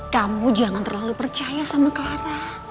kamu jangan terlalu percaya sama clara